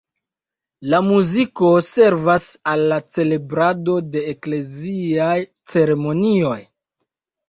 La muziko servas al la celebrado de ekleziaj ceremonioj.